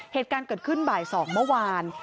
เหตุการณ์เกิดขึ้นบ่าย๒เมื่อวาน